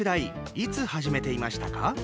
いつ始めていましたか？